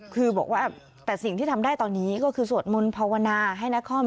คือบอกว่าแต่สิ่งที่ทำได้ตอนนี้ก็คือสวดมนต์ภาวนาให้นคร